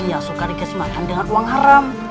dia suka dikasih makan dengan uang haram